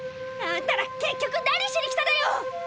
あんたら結局何しに来たのよ！